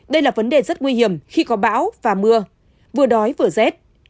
đây là vấn đề rất nguy hiểm khi có bão và mưa vừa đói vừa rét